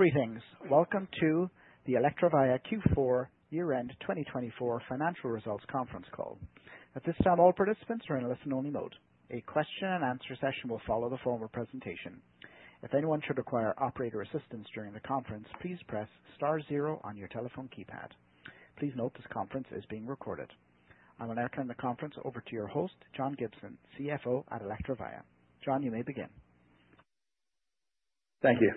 Greetings. Welcome to the Electrovaya Q4 Year-End 2024 Financial Results Conference Call. At this time, all participants are in listen-only mode. A question-and-answer session will follow the formal presentation. If anyone should require operator assistance during the conference, please press star zero on your telephone keypad. Please note this conference is being recorded. I will now turn the conference over to your host, John Gibson, CFO at Electrovaya. John, you may begin. Thank you.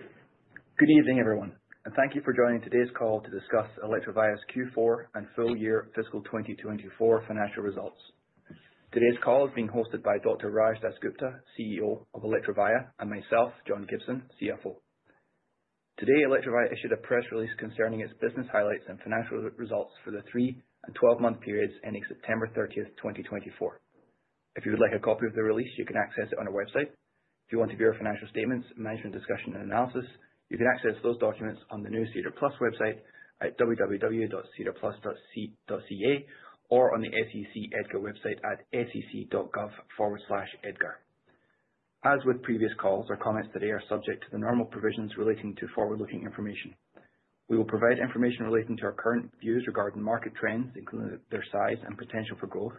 Good evening, everyone, and thank you for joining today's call to discuss Electrovaya's Q4 and full-year fiscal 2024 financial results. Today's call is being hosted by Dr. Raj DasGupta, CEO of Electrovaya, and myself, John Gibson, CFO. Today, Electrovaya issued a press release concerning its business highlights and financial results for the three and twelve-month periods ending September 30, 2024. If you would like a copy of the release, you can access it on our website. If you want to view our financial statements, management discussion, and analysis, you can access those documents on the new SEDAR+ website at www.sedarplus.ca or on the SEC EDGAR website at sec.gov/edgar. As with previous calls, our comments today are subject to the normal provisions relating to forward-looking information. We will provide information relating to our current views regarding market trends, including their size and potential for growth,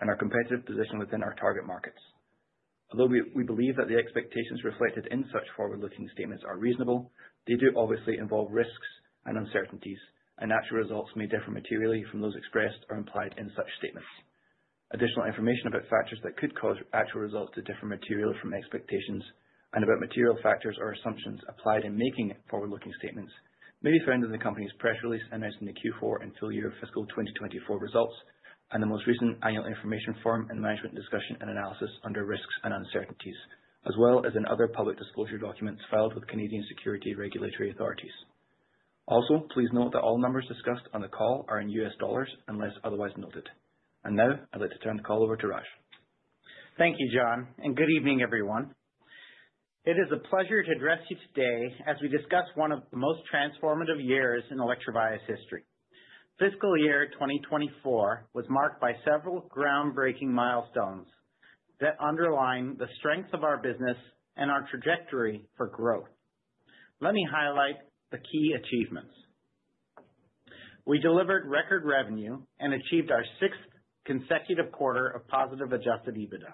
and our competitive position within our target markets. Although we believe that the expectations reflected in such forward-looking statements are reasonable, they do obviously involve risks and uncertainties, and actual results may differ materially from those expressed or implied in such statements. Additional information about factors that could cause actual results to differ materially from expectations and about material factors or assumptions applied in making forward-looking statements may be found in the company's press release announcing the Q4 and full-year fiscal 2024 results and the most recent annual information form and management discussion and analysis under risks and uncertainties, as well as in other public disclosure documents filed with Canadian securities regulatory authorities. Also, please note that all numbers discussed on the call are in US dollars unless otherwise noted. Now, I'd like to turn the call over to Raj. Thank you, John, and good evening, everyone. It is a pleasure to address you today as we discuss one of the most transformative years in Electrovaya's history. Fiscal year 2024 was marked by several groundbreaking milestones that underlined the strength of our business and our trajectory for growth. Let me highlight the key achievements. We delivered record revenue and achieved our sixth consecutive quarter of positive adjusted EBITDA,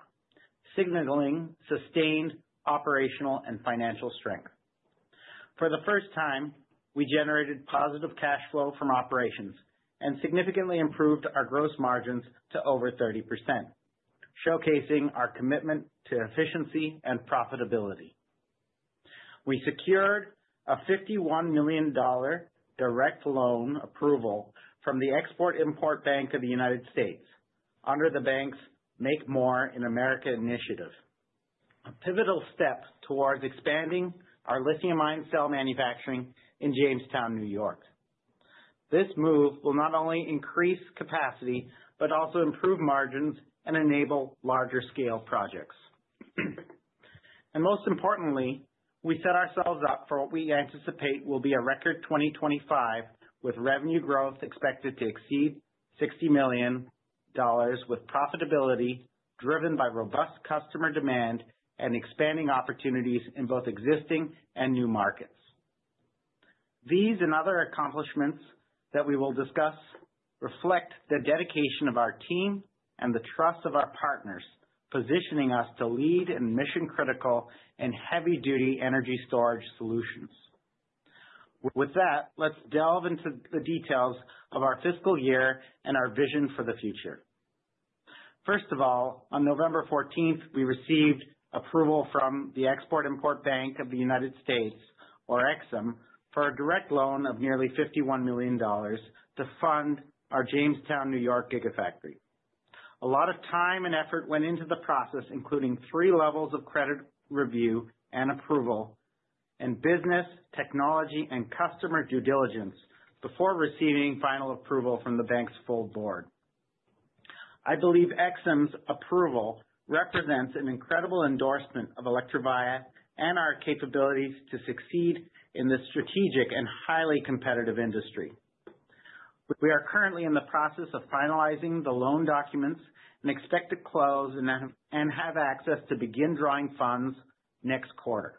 signaling sustained operational and financial strength. For the first time, we generated positive cash flow from operations and significantly improved our gross margins to over 30%, showcasing our commitment to efficiency and profitability. We secured a $51 million direct loan approval from the Export-Import Bank of the United States under the bank's Make More in America initiative, a pivotal step towards expanding our lithium-ion cell manufacturing in Jamestown, New York. This move will not only increase capacity but also improve margins and enable larger-scale projects. And most importantly, we set ourselves up for what we anticipate will be a record 2025 with revenue growth expected to exceed $60 million, with profitability driven by robust customer demand and expanding opportunities in both existing and new markets. These and other accomplishments that we will discuss reflect the dedication of our team and the trust of our partners, positioning us to lead in mission-critical and heavy-duty energy storage solutions. With that, let's delve into the details of our fiscal year and our vision for the future. First of all, on November 14th, we received approval from the Export-Import Bank of the United States, or EXIM, for a direct loan of nearly $51 million to fund our Jamestown, New York gigafactory. A lot of time and effort went into the process, including three levels of credit review and approval and business, technology, and customer due diligence before receiving final approval from the bank's full board. I believe EXIM's approval represents an incredible endorsement of Electrovaya and our capabilities to succeed in this strategic and highly competitive industry. We are currently in the process of finalizing the loan documents and expect to close and have access to begin drawing funds next quarter.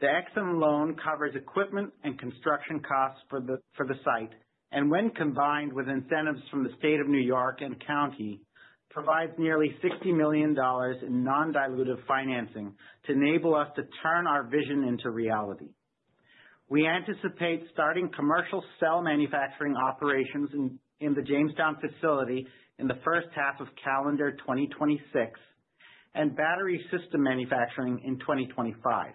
The EXIM loan covers equipment and construction costs for the site, and when combined with incentives from the state of New York and county, provides nearly $60 million in non-dilutive financing to enable us to turn our vision into reality. We anticipate starting commercial cell manufacturing operations in the Jamestown facility in the first half of calendar 2026 and battery system manufacturing in 2025.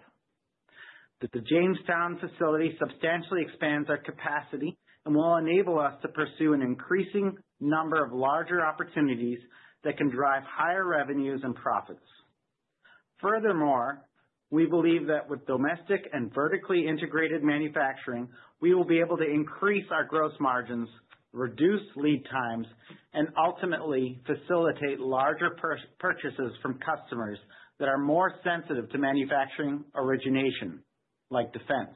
The Jamestown facility substantially expands our capacity and will enable us to pursue an increasing number of larger opportunities that can drive higher revenues and profits. Furthermore, we believe that with domestic and vertically integrated manufacturing, we will be able to increase our gross margins, reduce lead times, and ultimately facilitate larger purchases from customers that are more sensitive to manufacturing origination, like defense.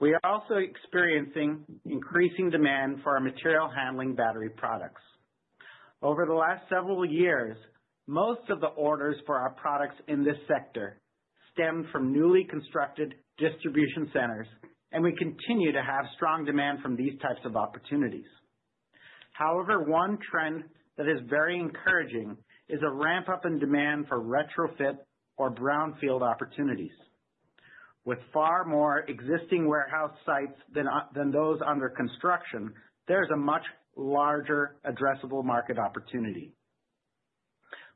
We are also experiencing increasing demand for our material-handling battery products. Over the last several years, most of the orders for our products in this sector stemmed from newly constructed distribution centers, and we continue to have strong demand for these types of opportunities. However, one trend that is very encouraging is a ramp-up in demand for retrofit or brownfield opportunities. With far more existing warehouse sites than those under construction, there's a much larger addressable market opportunity.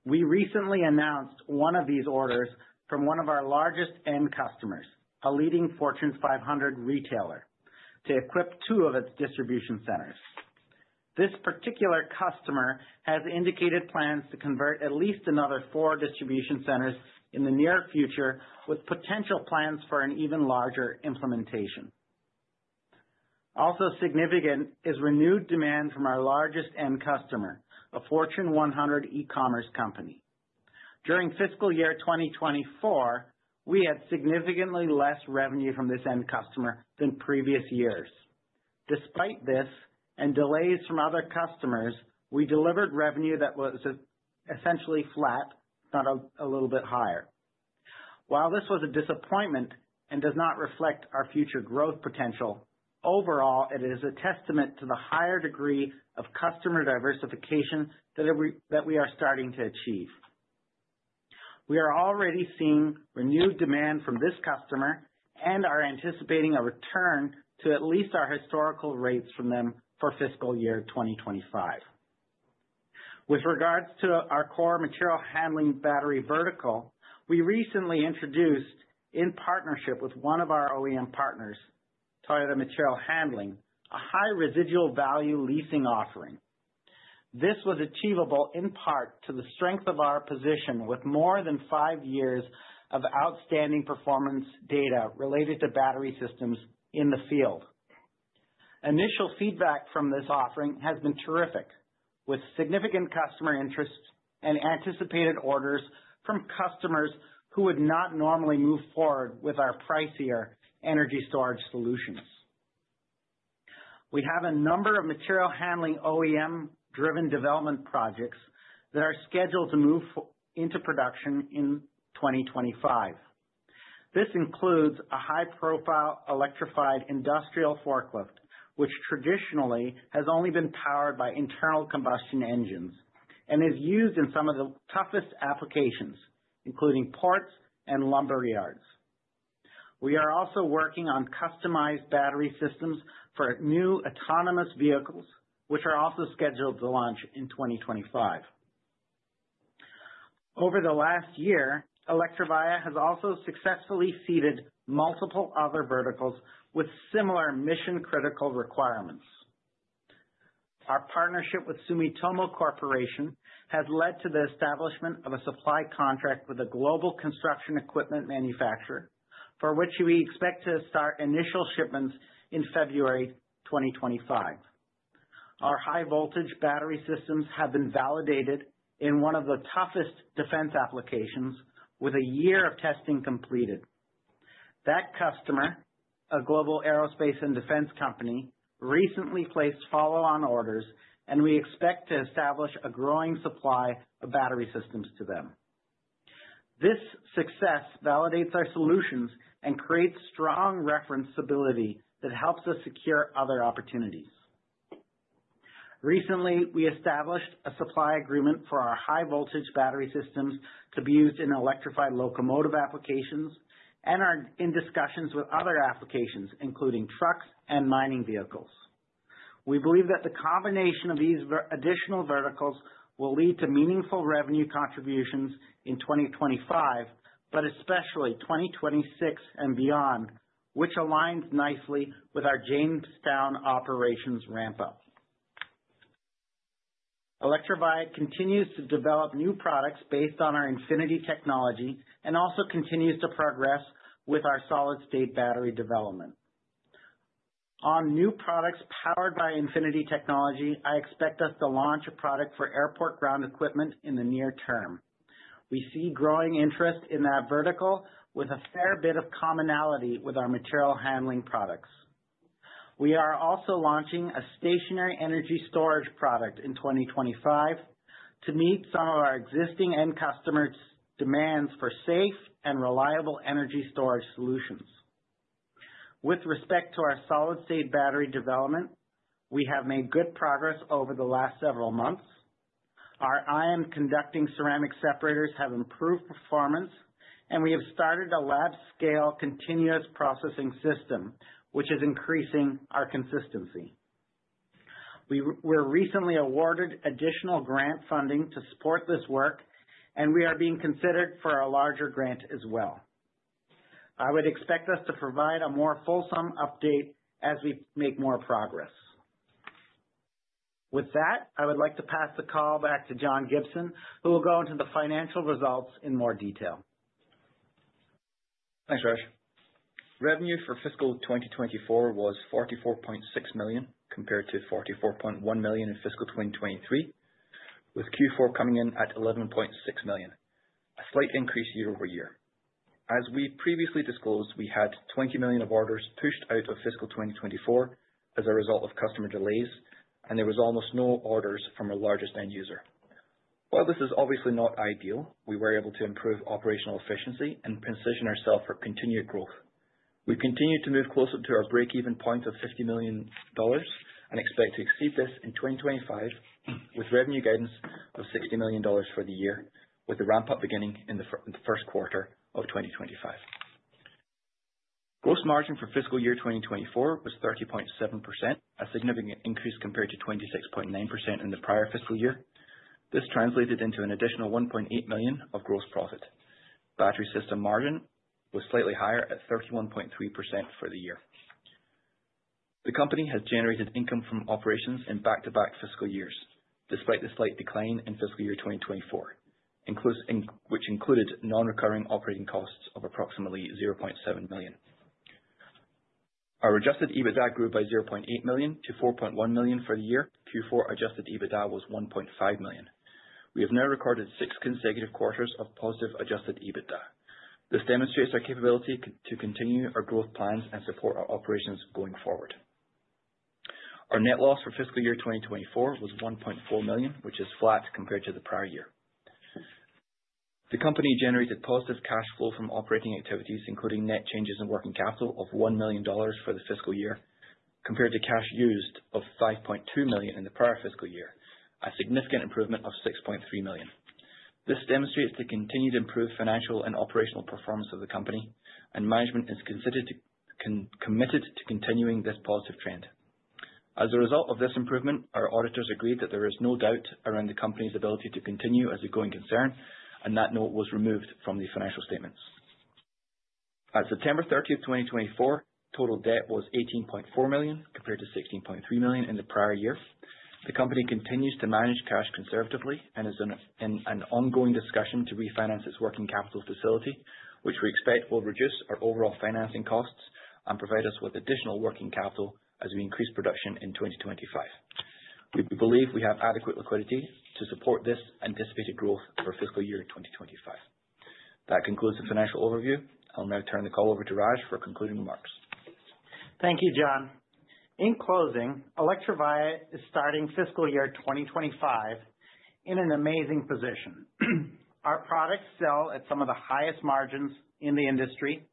We recently announced one of these orders from one of our largest end customers, a leading Fortune 500 retailer, to equip two of its distribution centers. This particular customer has indicated plans to convert at least another four distribution centers in the near future, with potential plans for an even larger implementation. Also significant is renewed demand from our largest end customer, a Fortune 100 e-commerce company. During fiscal year 2024, we had significantly less revenue from this end customer than previous years. Despite this and delays from other customers, we delivered revenue that was essentially flat, if not a little bit higher. While this was a disappointment and does not reflect our future growth potential, overall, it is a testament to the higher degree of customer diversification that we are starting to achieve. We are already seeing renewed demand from this customer, and are anticipating a return to at least our historical rates from them for fiscal year 2025. With regards to our core material-handling battery vertical, we recently introduced, in partnership with one of our OEM partners, Toyota Material Handling, a high-residual value leasing offering. This was achievable in part to the strength of our position with more than five years of outstanding performance data related to battery systems in the field. Initial feedback from this offering has been terrific, with significant customer interest and anticipated orders from customers who would not normally move forward with our pricier energy storage solutions. We have a number of material-handling OEM-driven development projects that are scheduled to move into production in 2025. This includes a high-profile electrified industrial forklift, which traditionally has only been powered by internal combustion engines and is used in some of the toughest applications, including ports and lumber yards. We are also working on customized battery systems for new autonomous vehicles, which are also scheduled to launch in 2025. Over the last year, Electrovaya has also successfully seeded multiple other verticals with similar mission-critical requirements. Our partnership with Sumitomo Corporation has led to the establishment of a supply contract with a global construction equipment manufacturer, for which we expect to start initial shipments in February 2025. Our high-voltage battery systems have been validated in one of the toughest defense applications, with a year of testing completed. That customer, a global aerospace and defense company, recently placed follow-on orders, and we expect to establish a growing supply of battery systems to them. This success validates our solutions and creates strong reference stability that helps us secure other opportunities. Recently, we established a supply agreement for our high-voltage battery systems to be used in electrified locomotive applications and are in discussions with other applications, including trucks and mining vehicles. We believe that the combination of these additional verticals will lead to meaningful revenue contributions in 2025, but especially 2026 and beyond, which aligns nicely with our Jamestown operations ramp-up. Electrovaya continues to develop new products based on our Infinity technology and also continues to progress with our solid-state battery development. On new products powered by Infinity technology, I expect us to launch a product for airport ground equipment in the near term. We see growing interest in that vertical, with a fair bit of commonality with our material-handling products. We are also launching a stationary energy storage product in 2025 to meet some of our existing end customer demands for safe and reliable energy storage solutions. With respect to our solid-state battery development, we have made good progress over the last several months. Our ion-conducting ceramic separators have improved performance, and we have started a lab-scale continuous processing system, which is increasing our consistency. We were recently awarded additional grant funding to support this work, and we are being considered for a larger grant as well. I would expect us to provide a more fulsome update as we make more progress. With that, I would like to pass the call back to John Gibson, who will go into the financial results in more detail. Thanks, Raj. Revenue for fiscal 2024 was $44.6 million compared to $44.1 million in fiscal 2023, with Q4 coming in at $11.6 million, a slight increase year-over-year. As we previously disclosed, we had $20 million of orders pushed out of fiscal 2024 as a result of customer delays, and there were almost no orders from our largest end user. While this is obviously not ideal, we were able to improve operational efficiency and position ourselves for continued growth. We've continued to move closer to our break-even point of $50 million and expect to exceed this in 2025, with revenue guidance of $60 million for the year, with the ramp-up beginning in the first quarter of 2025. Gross margin for fiscal year 2024 was 30.7%, a significant increase compared to 26.9% in the prior fiscal year. This translated into an additional $1.8 million of gross profit. Battery system margin was slightly higher at 31.3% for the year. The company has generated income from operations in back-to-back fiscal years, despite the slight decline in fiscal year 2024, which included non-recurring operating costs of approximately $0.7 million. Our adjusted EBITDA grew by $0.8 million to $4.1 million for the year. Q4 adjusted EBITDA was $1.5 million. We have now recorded six consecutive quarters of positive adjusted EBITDA. This demonstrates our capability to continue our growth plans and support our operations going forward. Our net loss for fiscal year 2024 was $1.4 million, which is flat compared to the prior year. The company generated positive cash flow from operating activities, including net changes in working capital of $1 million for the fiscal year, compared to cash used of $5.2 million in the prior fiscal year, a significant improvement of $6.3 million. This demonstrates the continued improved financial and operational performance of the company, and management is committed to continuing this positive trend. As a result of this improvement, our auditors agreed that there is no doubt around the company's ability to continue as a going concern, and that note was removed from the financial statements. At September 30th, 2024, total debt was $18.4 million compared to $16.3 million in the prior year. The company continues to manage cash conservatively and is in an ongoing discussion to refinance its working capital facility, which we expect will reduce our overall financing costs and provide us with additional working capital as we increase production in 2025. We believe we have adequate liquidity to support this anticipated growth for fiscal year 2025. That concludes the financial overview. I'll now turn the call over to Raj for concluding remarks. Thank you, John. In closing, Electrovaya is starting fiscal year 2025 in an amazing position. Our products sell at some of the highest margins in the industry.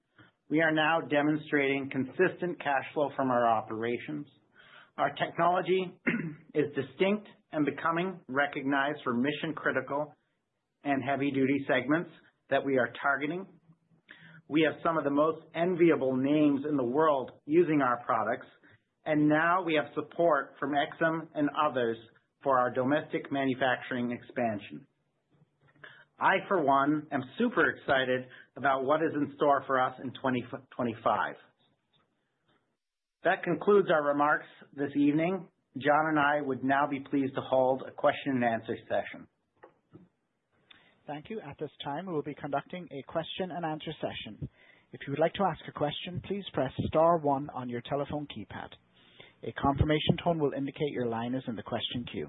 We are now demonstrating consistent cash flow from our operations. Our technology is distinct and becoming recognized for mission-critical and heavy-duty segments that we are targeting. We have some of the most enviable names in the world using our products, and now we have support from EXIM and others for our domestic manufacturing expansion. I, for one, am super excited about what is in store for us in 2025. That concludes our remarks this evening. John and I would now be pleased to hold a question-and-answer session. Thank you. At this time, we will be conducting a question-and-answer session. If you would like to ask a question, please press star one on your telephone keypad. A confirmation tone will indicate your line is in the question queue.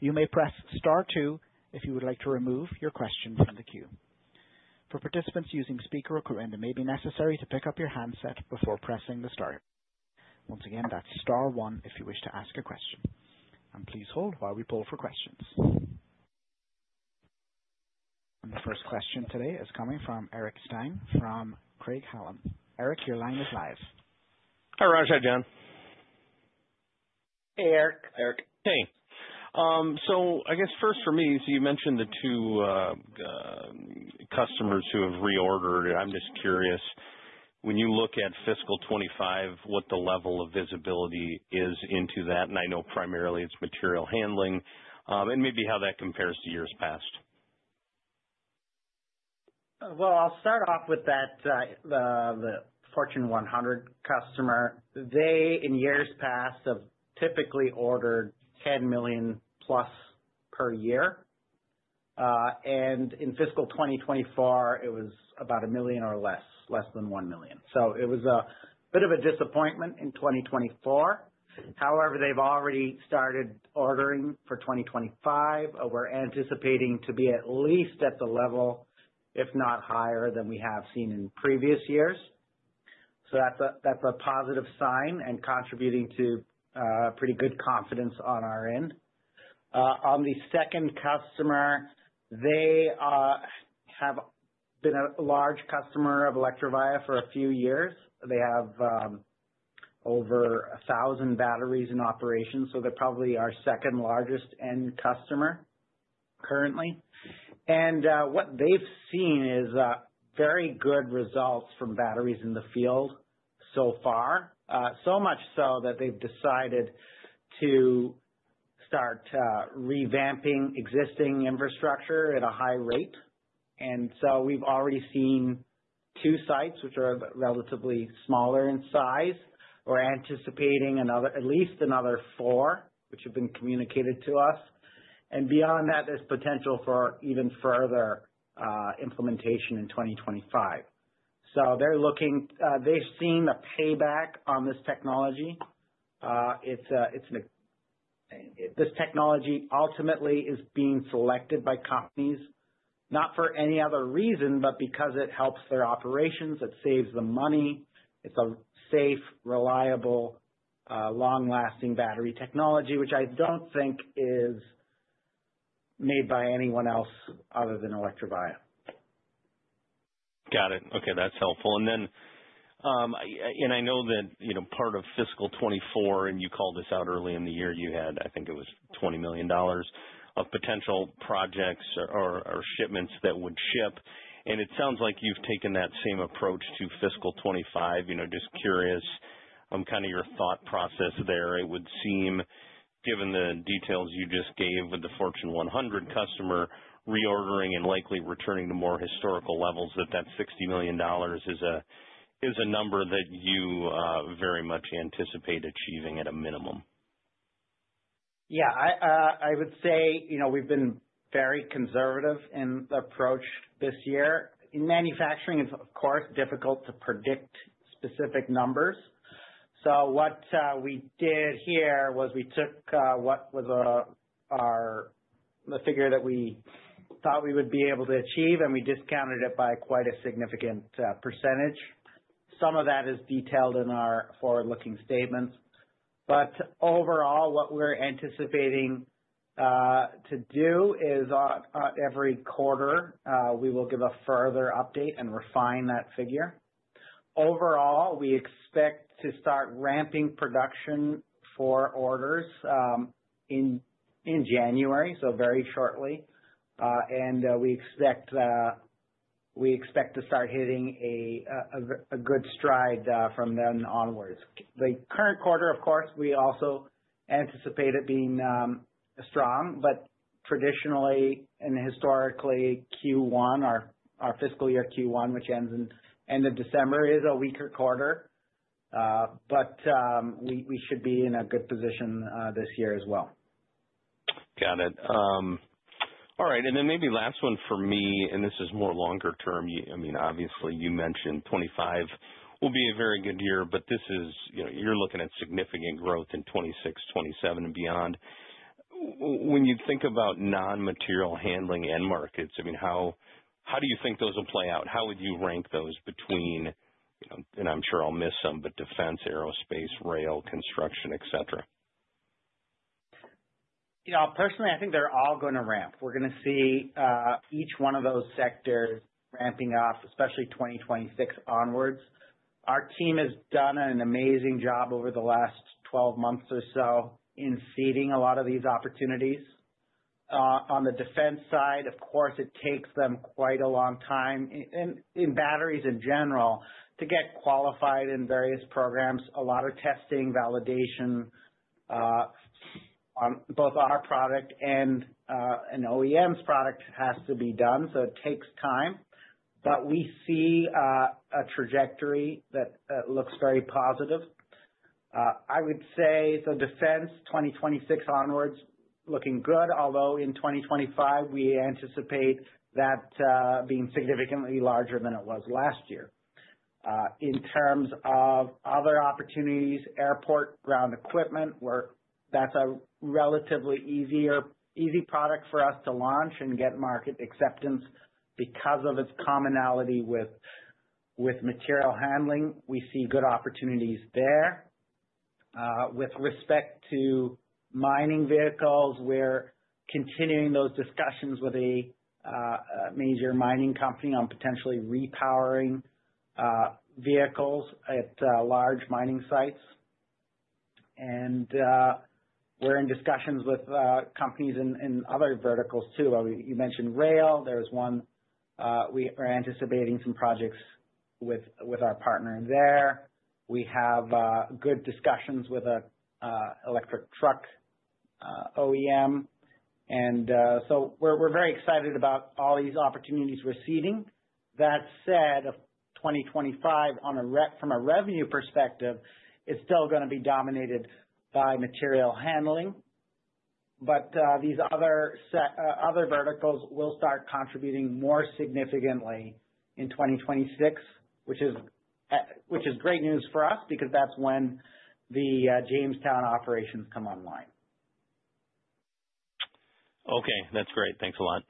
You may press star two if you would like to remove your question from the queue. For participants using speakerphone or webcast, it may be necessary to pick up your handset before pressing the star button. Once again, that's star one if you wish to ask a question. Please hold while we poll for questions. The first question today is coming from Eric Stine from Craig-Hallum. Eric, your line is live. Hi, Raj. Hi, John. Hey, Eric. Eric. Hey. So I guess first for me, so you mentioned the two customers who have reordered. I'm just curious, when you look at fiscal 2025, what the level of visibility is into that? And I know primarily it's material handling and maybe how that compares to years past. I'll start off with that Fortune 100 customer. They, in years past, have typically ordered $10 million+ per year. In fiscal 2024, it was about $1 million or less, less than $1 million. It was a bit of a disappointment in 2024. However, they've already started ordering for 2025. We're anticipating to be at least at the level, if not higher, than we have seen in previous years. That's a positive sign and contributing to pretty good confidence on our end. On the second customer, they have been a large customer of Electrovaya for a few years. They have over 1,000 batteries in operation, so they're probably our second largest end customer currently. What they've seen is very good results from batteries in the field so far, so much so that they've decided to start revamping existing infrastructure at a high rate. And so we've already seen two sites, which are relatively smaller in size, we're anticipating at least another four, which have been communicated to us. And beyond that, there's potential for even further implementation in 2025. So they're looking. They've seen the payback on this technology. This technology ultimately is being selected by companies, not for any other reason, but because it helps their operations, it saves them money. It's a safe, reliable, long-lasting battery technology, which I don't think is made by anyone else other than Electrovaya. Got it. Okay. That's helpful. And I know that part of fiscal 2024, and you called this out early in the year, you had, I think it was $20 million of potential projects or shipments that would ship. And it sounds like you've taken that same approach to fiscal 2025. Just curious on kind of your thought process there. It would seem, given the details you just gave with the Fortune 100 customer reordering and likely returning to more historical levels, that that $60 million is a number that you very much anticipate achieving at a minimum. Yeah. I would say we've been very conservative in the approach this year. In manufacturing, it's, of course, difficult to predict specific numbers. So what we did here was we took what was the figure that we thought we would be able to achieve, and we discounted it by quite a significant percentage. Some of that is detailed in our forward-looking statements. But overall, what we're anticipating to do is, every quarter, we will give a further update and refine that figure. Overall, we expect to start ramping production for orders in January, so very shortly. And we expect to start hitting a good stride from then onwards. The current quarter, of course, we also anticipate it being strong. But traditionally and historically, Q1, our fiscal year Q1, which ends in the end of December, is a weaker quarter. But we should be in a good position this year as well. Got it. All right. And then maybe last one for me, and this is more longer term. I mean, obviously, you mentioned 2025 will be a very good year, but you're looking at significant growth in 2026, 2027, and beyond. When you think about non-material handling and markets, I mean, how do you think those will play out? How would you rank those between, and I'm sure I'll miss some, but defense, aerospace, rail, construction, etc.? Yeah. Personally, I think they're all going to ramp. We're going to see each one of those sectors ramping up, especially 2026 onwards. Our team has done an amazing job over the last 12 months or so in seeding a lot of these opportunities. On the defense side, of course, it takes them quite a long time. And in batteries in general, to get qualified in various programs, a lot of testing, validation on both our product and an OEM's product has to be done. So it takes time. But we see a trajectory that looks very positive. I would say the defense 2026 onwards looking good, although in 2025, we anticipate that being significantly larger than it was last year. In terms of other opportunities, airport ground equipment, that's a relatively easy product for us to launch and get market acceptance because of its commonality with material handling. We see good opportunities there. With respect to mining vehicles, we're continuing those discussions with a major mining company on potentially repowering vehicles at large mining sites, and we're in discussions with companies in other verticals too. You mentioned rail. There's one we are anticipating some projects with our partner there. We have good discussions with an electric truck OEM, and so we're very excited about all these opportunities we're seeding. That said, 2025, from a revenue perspective, is still going to be dominated by material handling, but these other verticals will start contributing more significantly in 2026, which is great news for us because that's when the Jamestown operations come online. Okay. That's great. Thanks a lot.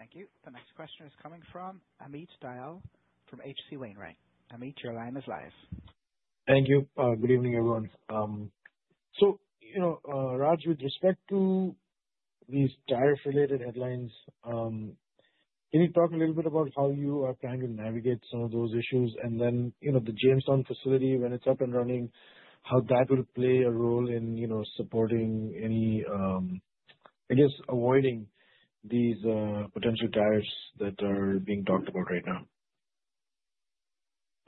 Thank you. The next question is coming from Amit Dayal from H.C. Wainwright. Amit, your line is live. Thank you. Good evening, everyone. Raj, with respect to these tariff-related headlines, can you talk a little bit about how you are planning to navigate some of those issues? And then the Jamestown facility, when it's up and running, how that will play a role in supporting any, I guess, avoiding these potential tariffs that are being talked about right now?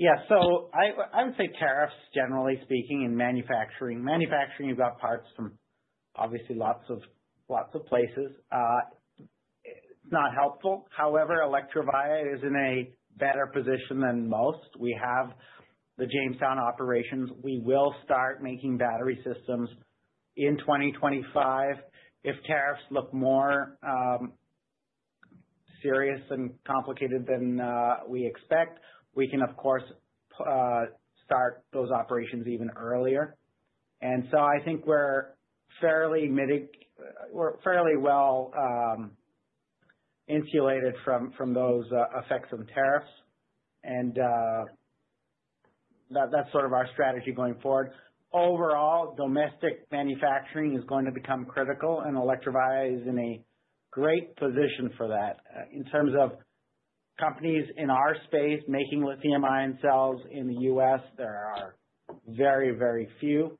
Yeah. So I would say tariffs, generally speaking, in manufacturing, you've got parts from obviously lots of places, it's not helpful. However, Electrovaya is in a better position than most. We have the Jamestown operations. We will start making battery systems in 2025. If tariffs look more serious and complicated than we expect, we can, of course, start those operations even earlier. And so I think we're fairly well insulated from those effects of tariffs. And that's sort of our strategy going forward. Overall, domestic manufacturing is going to become critical, and Electrovaya is in a great position for that. In terms of companies in our space making lithium-ion cells in the U.S., there are very, very few.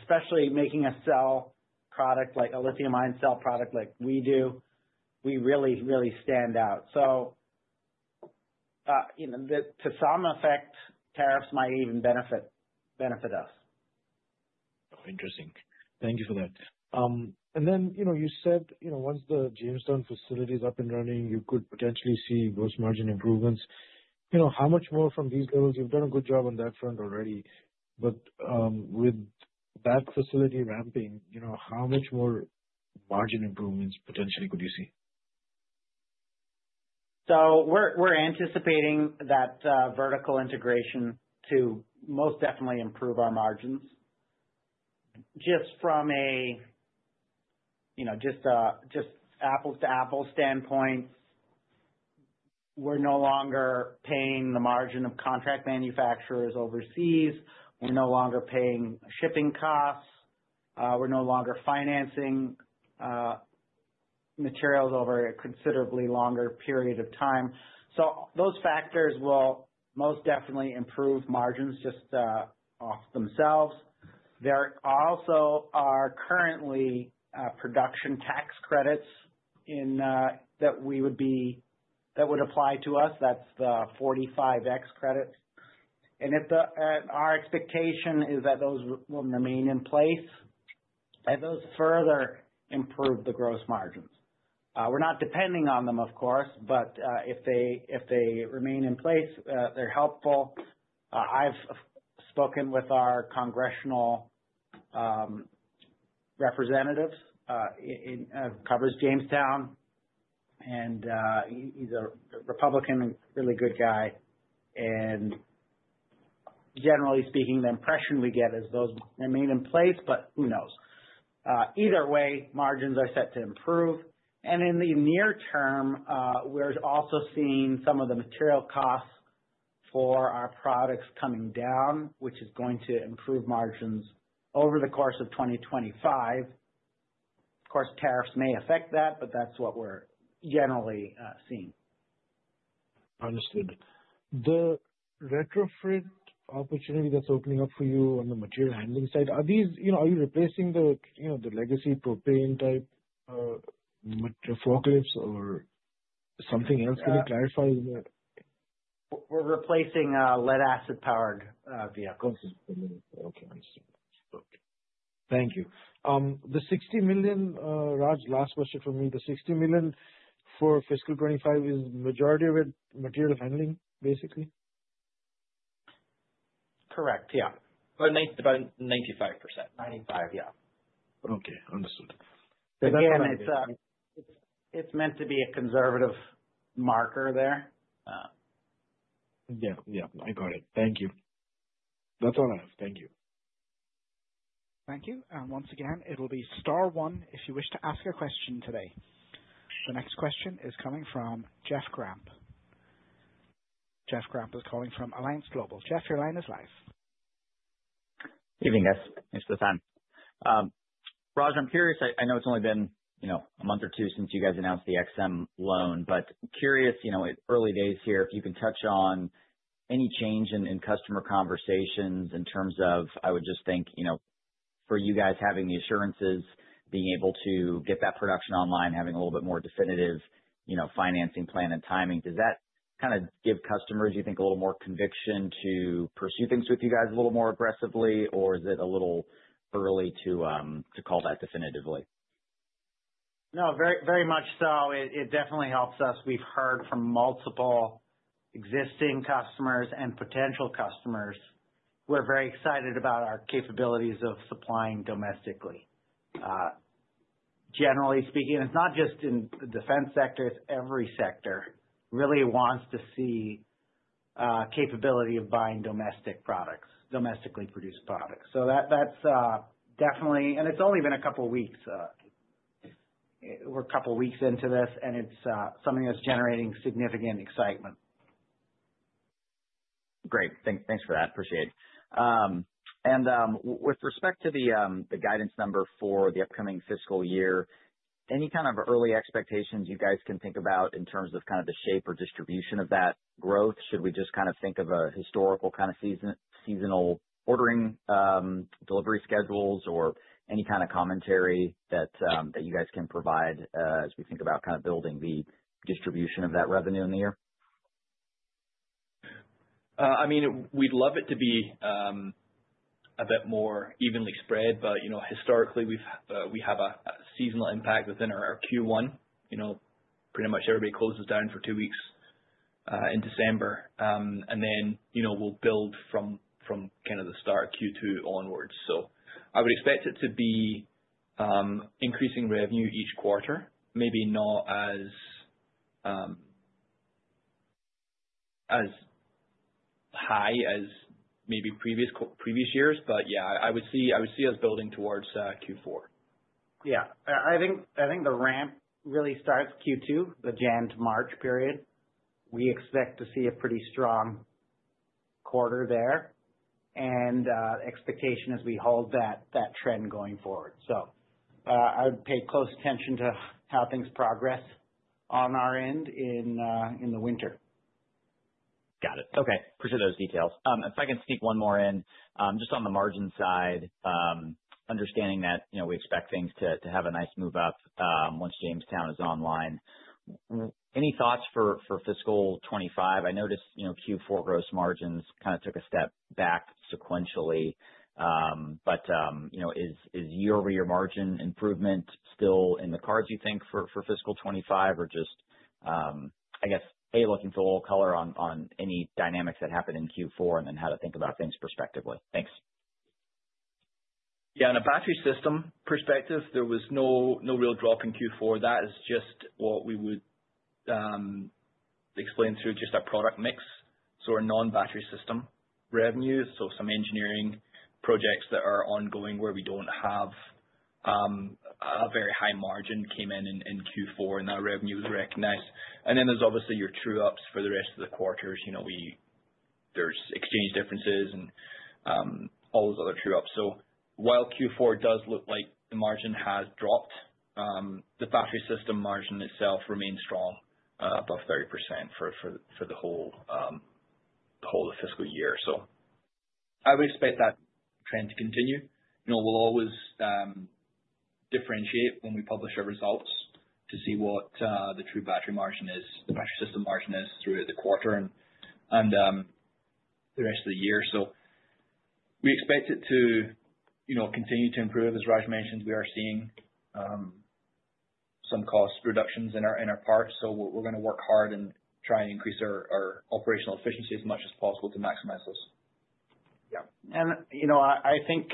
Especially making a cell product like a lithium-ion cell product like we do, we really, really stand out. So to some effect, tariffs might even benefit us. Oh, interesting. Thank you for that. And then you said once the Jamestown facility is up and running, you could potentially see those margin improvements. How much more from these levels? You've done a good job on that front already. But with that facility ramping, how much more margin improvements potentially could you see? So we're anticipating that vertical integration to most definitely improve our margins. Just from an apples-to-apples standpoint, we're no longer paying the margin of contract manufacturers overseas. We're no longer paying shipping costs. We're no longer financing materials over a considerably longer period of time. So those factors will most definitely improve margins just off themselves. There also are currently production tax credits that would apply to us. That's the 45X credits. And our expectation is that those will remain in place as those further improve the gross margins. We're not depending on them, of course, but if they remain in place, they're helpful. I've spoken with our congressional representatives that covers Jamestown. And he's a Republican, a really good guy. And generally speaking, the impression we get is those remain in place, but who knows? Either way, margins are set to improve. In the near term, we're also seeing some of the material costs for our products coming down, which is going to improve margins over the course of 2025. Of course, tariffs may affect that, but that's what we're generally seeing. Understood. The retrofit opportunity that's opening up for you on the material handling side, are you replacing the legacy propane-type forklifts or something else? Can you clarify? We're replacing lead-acid-powered vehicles. Okay. I see. Okay. Thank you. The $60 million, Raj, last question for me, the $60 million for fiscal 2025, is the majority of it material handling, basically? Correct. Yeah. About 95%. 95%. Yeah. Okay. Understood. Again, it's meant to be a conservative marker there. Yeah. Yeah. I got it. Thank you. That's all I have. Thank you. Thank you. And once again, it will be star one if you wish to ask a question today. The next question is coming from Jeff Grampp. Jeff Grampp is calling from Alliance Global. Jeff, your line is live. Good evening, guys. It's the time. Raj, I'm curious. I know it's only been a month or two since you guys announced the EXIM loan, but curious, early days here, if you can touch on any change in customer conversations in terms of, I would just think, for you guys having the assurances, being able to get that production online, having a little bit more definitive financing plan and timing. Does that kind of give customers, you think, a little more conviction to pursue things with you guys a little more aggressively, or is it a little early to call that definitively? No. Very much so. It definitely helps us. We've heard from multiple existing customers and potential customers. We're very excited about our capabilities of supplying domestically. Generally speaking, it's not just in the defense sector. It's every sector really wants to see capability of buying domestic products, domestically produced products. So that's definitely, and it's only been a couple of weeks. We're a couple of weeks into this, and it's something that's generating significant excitement. Great. Thanks for that. Appreciate it. And with respect to the guidance number for the upcoming fiscal year, any kind of early expectations you guys can think about in terms of kind of the shape or distribution of that growth? Should we just kind of think of a historical kind of seasonal ordering delivery schedules or any kind of commentary that you guys can provide as we think about kind of building the distribution of that revenue in the year? I mean, we'd love it to be a bit more evenly spread, but historically, we have a seasonal impact within our Q1. Pretty much everybody closes down for two weeks in December, and then we'll build from kind of the start, Q2 onwards, so I would expect it to be increasing revenue each quarter, maybe not as high as maybe previous years, but yeah, I would see us building towards Q4. Yeah. I think the ramp really starts Q2, the January to March period. We expect to see a pretty strong quarter there. And expectation is we hold that trend going forward. So I would pay close attention to how things progress on our end in the winter. Got it. Okay. Appreciate those details. If I can sneak one more in, just on the margin side, understanding that we expect things to have a nice move up once Jamestown is online. Any thoughts for fiscal 2025? I noticed Q4 gross margins kind of took a step back sequentially. But is year-over-year margin improvement still in the cards, you think, for fiscal 2025? Or just, I guess, looking for a little color on any dynamics that happened in Q4 and then how to think about things prospectively. Thanks. Yeah. On a battery system perspective, there was no real drop in Q4. That is just what we would explain through just our product mix. So our non-battery system revenues, so some engineering projects that are ongoing where we don't have a very high margin, came in in Q4, and that revenue was recognized. And then there's obviously your true-ups for the rest of the quarters. There's exchange differences and all those other true-ups. So while Q4 does look like the margin has dropped, the battery system margin itself remains strong above 30% for the whole of fiscal year. So I would expect that trend to continue. We'll always differentiate when we publish our results to see what the true battery margin is, the battery system margin is through the quarter and the rest of the year. So we expect it to continue to improve. As Raj mentioned, we are seeing some cost reductions in our parts, so we're going to work hard and try and increase our operational efficiency as much as possible to maximize those. Yeah. And I think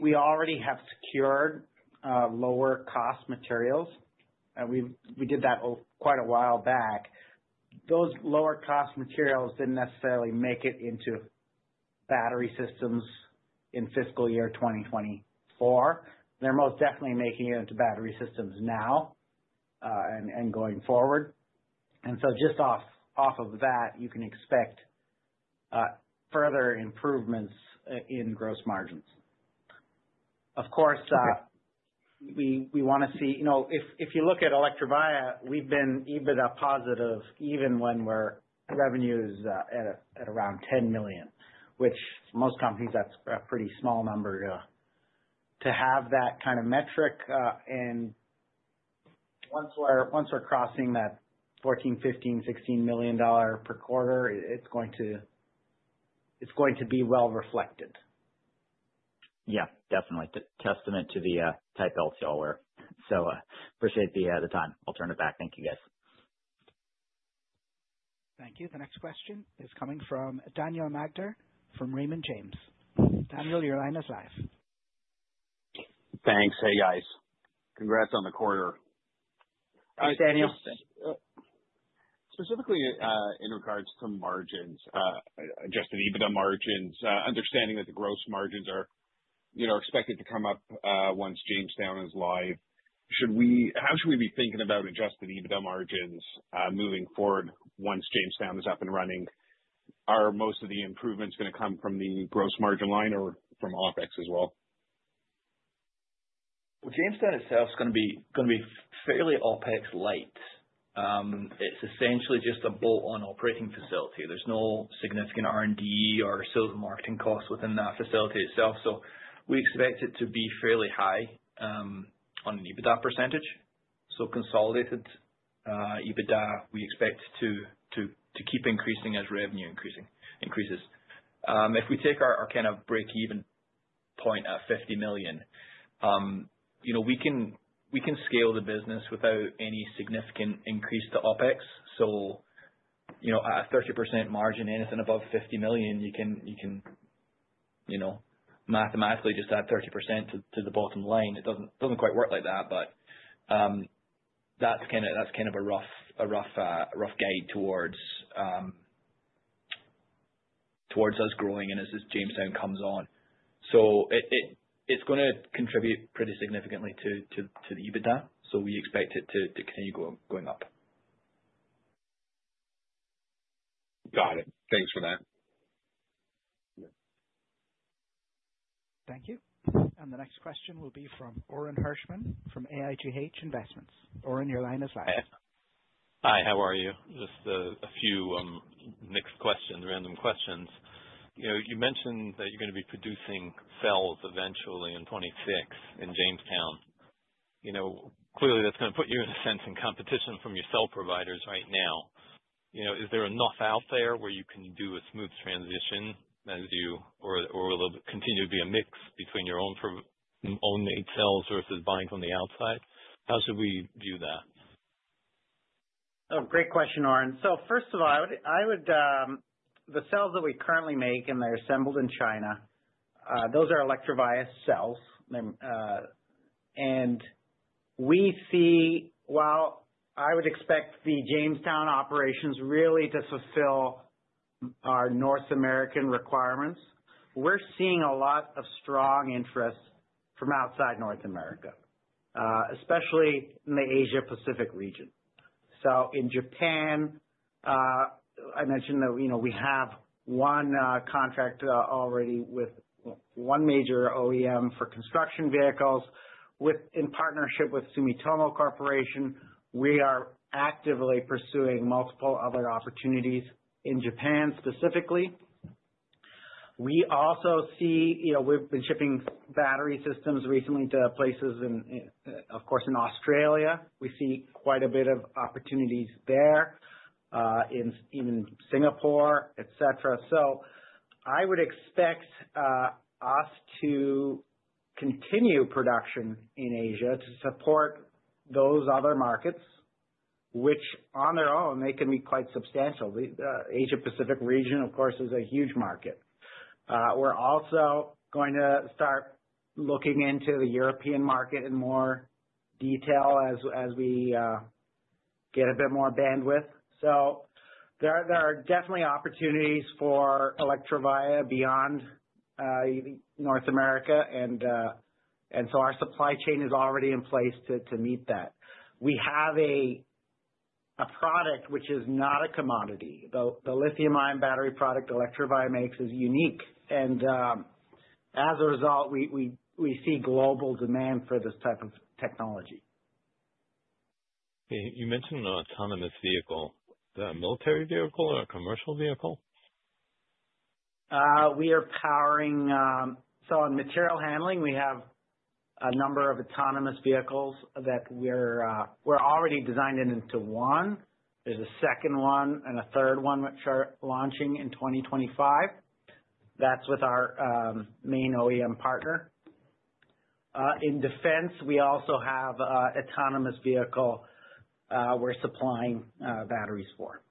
we already have secured lower-cost materials. We did that quite a while back. Those lower-cost materials didn't necessarily make it into battery systems in fiscal year 2024. They're most definitely making it into battery systems now and going forward. And so just off of that, you can expect further improvements in gross margins. Of course, if you look at Electrovaya, we've been EBITDA positive even when our revenues are at around $10 million, which for most companies, that's a pretty small number to have that kind of metric. And once we're crossing that $14 million-$16 million per quarter, it's going to be well reflected. Yeah. Definitely. Testament to the team's hard work. So, I appreciate the time. I'll turn it back. Thank you, guys. Thank you. The next question is coming from Daniel Magder from Raymond James. Daniel, your line is live. Thanks. Hey, guys. Congrats on the quarter. Thanks, Daniel. Specifically in regards to margins, adjusted EBITDA margins, understanding that the gross margins are expected to come up once Jamestown is live. How should we be thinking about adjusted EBITDA margins moving forward once Jamestown is up and running? Are most of the improvements going to come from the gross margin line or from OpEx as well? Jamestown itself is going to be fairly OpEx-light. It's essentially just a bolt-on operating facility. There's no significant R&D or sales and marketing costs within that facility itself. We expect it to be fairly high on an EBITDA percentage. Consolidated EBITDA, we expect to keep increasing as revenue increases. If we take our kind of break-even point at $50 million, we can scale the business without any significant increase to OpEx. At a 30% margin, anything above $50 million, you can mathematically just add 30% to the bottom line. It doesn't quite work like that, but that's kind of a rough guide towards us growing and as Jamestown comes on. It's going to contribute pretty significantly to the EBITDA. We expect it to continue going up. Got it. Thanks for that. Thank you. And the next question will be from Orin Hirschman from AIGH Investment. Orin, your line is live. Hi. How are you? Just a few mixed questions, random questions. You mentioned that you're going to be producing cells eventually in 2026 in Jamestown. Clearly, that's going to put you in a sense in competition from your cell providers right now. Is there enough out there where you can do a smooth transition or continue to be a mix between your own-made cells versus buying from the outside? How should we view that? Oh, great question, Orin. So first of all, the cells that we currently make, and they're assembled in China, those are Electrovaya cells, and while I would expect the Jamestown operations really to fulfill our North American requirements, we're seeing a lot of strong interest from outside North America, especially in the Asia-Pacific region, so in Japan, I mentioned that we have one contract already with one major OEM for construction vehicles in partnership with Sumitomo Corporation. We are actively pursuing multiple other opportunities in Japan specifically. We also see we've been shipping battery systems recently to places, of course, in Australia. We see quite a bit of opportunities there in Singapore, etc., so I would expect us to continue production in Asia to support those other markets, which on their own, they can be quite substantial. The Asia-Pacific region, of course, is a huge market. We're also going to start looking into the European market in more detail as we get a bit more bandwidth. So there are definitely opportunities for Electrovaya beyond North America. And so our supply chain is already in place to meet that. We have a product which is not a commodity. The lithium-ion battery product Electrovaya makes is unique. And as a result, we see global demand for this type of technology. You mentioned an autonomous vehicle. Is that a military vehicle or a commercial vehicle? We are powering, so on material handling, we have a number of autonomous vehicles that we're already designed into one. There's a second one and a third one which are launching in 2025. That's with our main OEM partner. In defense, we also have an autonomous vehicle we're supplying batteries for.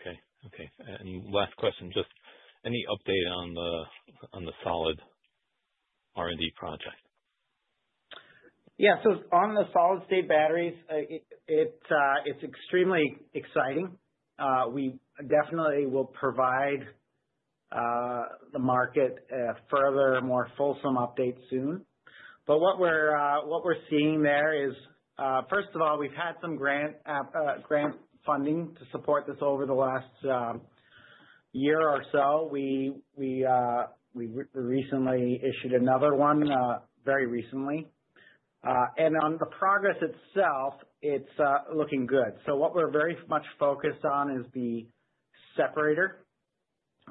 Okay. Okay. And last question, just any update on the solid-state R&D project? Yeah. So on the solid-state batteries, it's extremely exciting. We definitely will provide the market a further, more fulsome update soon. But what we're seeing there is, first of all, we've had some grant funding to support this over the last year or so. We recently issued another one, very recently. And on the progress itself, it's looking good. So what we're very much focused on is the separator,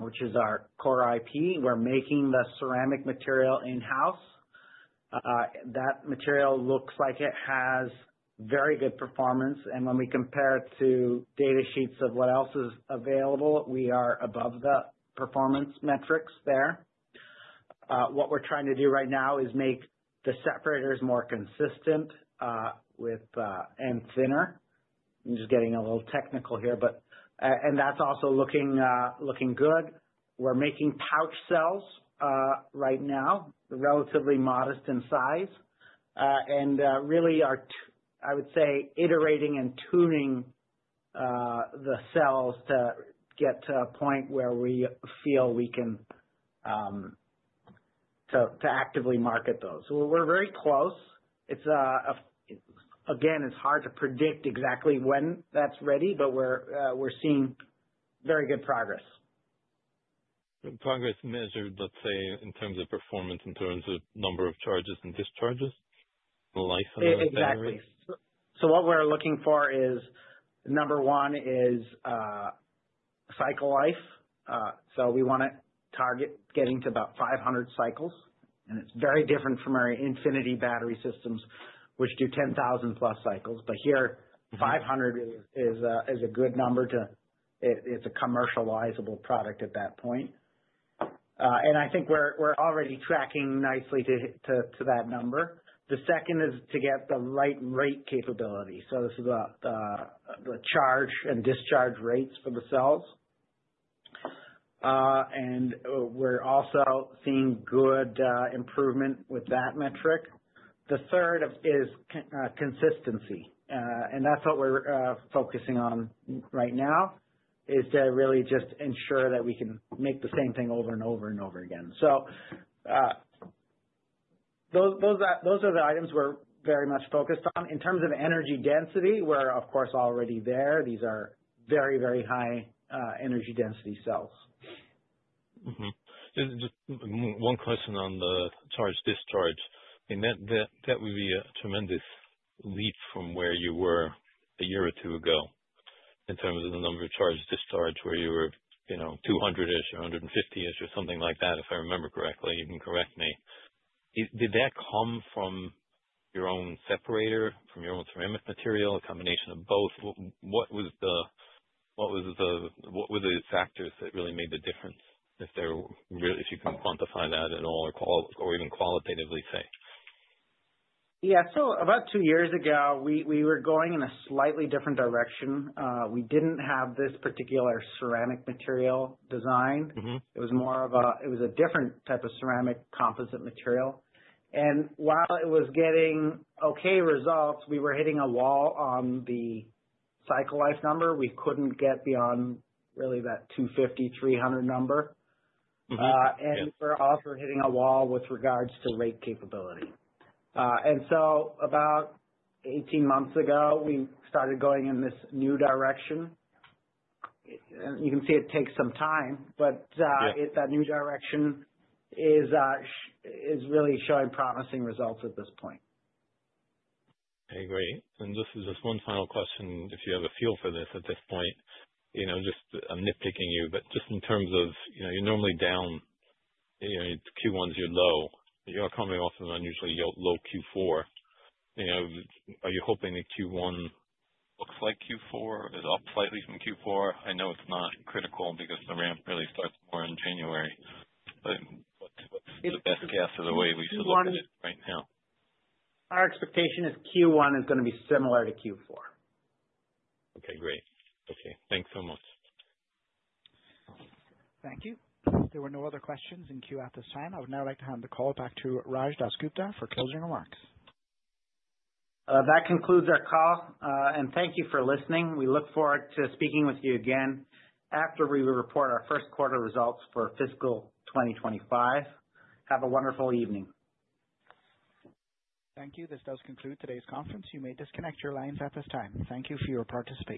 which is our core IP. We're making the ceramic material in-house. That material looks like it has very good performance. And when we compare it to data sheets of what else is available, we are above the performance metrics there. What we're trying to do right now is make the separators more consistent and thinner. I'm just getting a little technical here. And that's also looking good. We're making pouch cells right now, relatively modest in size. Really, I would say iterating and tuning the cells to get to a point where we feel we can actively market those. We're very close. Again, it's hard to predict exactly when that's ready, but we're seeing very good progress. Progress measured, let's say, in terms of performance, in terms of number of charges and discharges and life and everything? Exactly. So what we're looking for is, number one is cycle life. So we want to target getting to about 500 cycles. And it's very different from our Infinity battery systems, which do 10,000+ cycles. But here, 500 is a good number. It's a commercializable product at that point. And I think we're already tracking nicely to that number. The second is to get the high rate capability. So this is the charge and discharge rates for the cells. And we're also seeing good improvement with that metric. The third is consistency. And that's what we're focusing on right now, is to really just ensure that we can make the same thing over and over and over again. So those are the items we're very much focused on. In terms of energy density, we're, of course, already there. These are very, very high energy density cells. Just one question on the charge/discharge. That would be a tremendous leap from where you were a year or two ago in terms of the number of charge/discharge where you were 200-ish or 150-ish or something like that, if I remember correctly. You can correct me. Did that come from your own separator, from your own ceramic material, a combination of both? What were the factors that really made the difference, if you can quantify that at all or even qualitatively say? Yeah. So about two years ago, we were going in a slightly different direction. We didn't have this particular ceramic material design. It was more of a different type of ceramic composite material. And while it was getting okay results, we were hitting a wall on the cycle life number. We couldn't get beyond really that 250-300 number. And we were also hitting a wall with regards to rate capability. And so about 18 months ago, we started going in this new direction. And you can see it takes some time, but that new direction is really showing promising results at this point. I agree, and just one final question, if you have a feel for this at this point, just, I'm nitpicking you, but just in terms of you're normally down. It's Q1s, you're low. You're coming off of an unusually low Q4. Are you hoping that Q1 looks like Q4 is up slightly from Q4. I know it's not critical because the ramp really starts more in January, but what's the best guess of the way we should look at it right now? Our expectation is Q1 is going to be similar to Q4. Okay. Great. Okay. Thanks so much. Thank you. There were no other questions in queue at this time. I would now like to hand the call back to Raj DasGupta for closing remarks. That concludes our call, and thank you for listening. We look forward to speaking with you again after we report our first quarter results for fiscal 2025. Have a wonderful evening. Thank you. This does conclude today's conference. You may disconnect your lines at this time. Thank you for your participation.